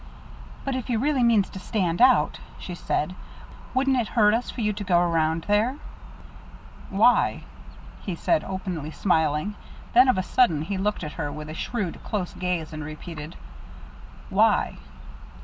"But if he really means to stand out," she said, "wouldn't it hurt us for you to go around there?" "Why?" He was openly smiling now. Then, of a sudden, he looked at her with a shrewd, close gaze, and repeated, "Why?"